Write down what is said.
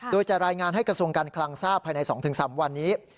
โดยจะรายงานให้กระทรวงการคลังทราบภายใน๒๓วันนี้